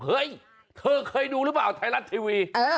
เฮ้ยเธอเคยดูหรือเปล่าไทยรัฐทีวี